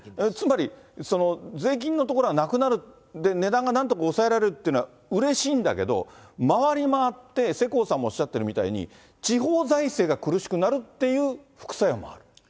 つまり、税金のところはなくなる、値段がなんとか抑えられるっていうのはうれしいんだけど、回り回って、世耕さんもおっしゃってるみたいに、地方財政が苦しくなるっていう副作用もある。